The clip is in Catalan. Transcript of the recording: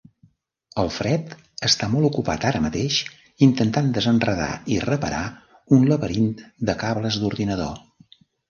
Alfred està molt ocupat ara mateix intentant desenredar i reparar un laberint de cables d'ordinador.